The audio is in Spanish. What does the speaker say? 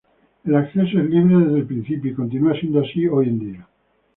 El acceso es libre desde el principio y continúa siendo así hoy en día.